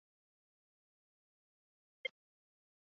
傅清于雍正元年授蓝翎侍卫。